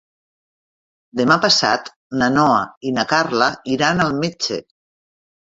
Demà passat na Noa i na Carla iran al metge.